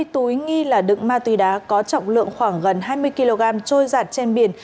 hai mươi túi nghi là đựng ma túy đá có trọng lượng khoảng gần hai mươi kg trôi giạt trên biển